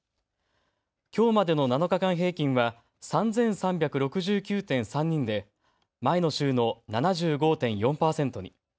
きょうまでの７日間平均は３３６９．３人で前の週の７５．４％に。